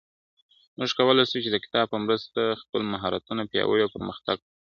موږ کولای سو چي د کتاب په مرسته خپل مهارتونه پياوړي او پرمختګ وکړو ..